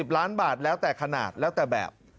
ล้านบาทแล้วแต่ขนาดแล้วแต่แบบ